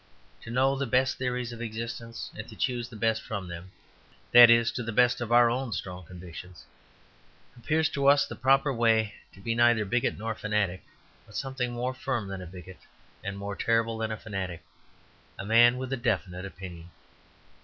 To know the best theories of existence and to choose the best from them (that is, to the best of our own strong conviction) appears to us the proper way to be neither bigot nor fanatic, but something more firm than a bigot and more terrible than a fanatic, a man with a definite opinion.